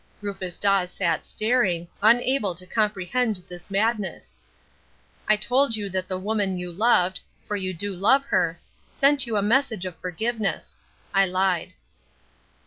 Rufus Dawes sat staring, unable to comprehend this madness. "I told you that the woman you loved for you do love her sent you a message of forgiveness. I lied."